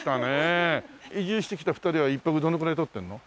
移住してきた２人は１泊どのくらい取ってるの？